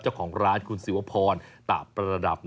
เจ้าของร้านคุณศิวพรตะประดับ